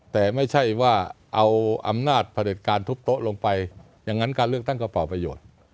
แต่ไม่ใช่ว่าเอาอำนาจผลิตการทุบโต๊ะลงไปอย่างนั้นการเลือกตั้งก็เป่าประโยชน์